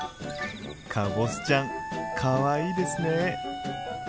かぼすちゃんかわいいですね！